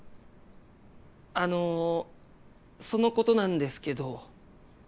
あのそのことなんですけど。